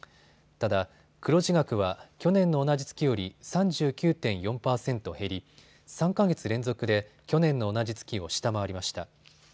ただ、黒字額は去年の同じ月より３９．４％減り３か月連続で去年の同じ月を下回りました。